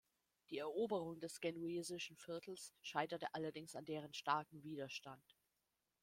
Die Eroberung des genuesischen Viertels scheiterte allerdings an deren starken Widerstand.